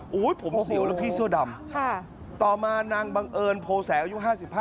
โอ้โหผมเสียวแล้วพี่เสื้อดำต่อมานางบังเอิญโพแสอายุ๕๕